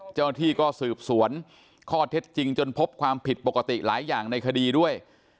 เจ้าหน้าที่ก็สืบสวนข้อเท็จจริงจนพบความผิดปกติหลายอย่างในคดีด้วย